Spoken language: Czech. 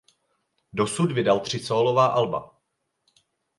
Dosud vydal tři sólová alba.